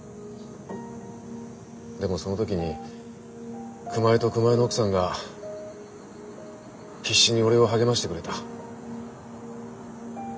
でもその時に熊井と熊井の奥さんが必死に俺を励ましてくれた。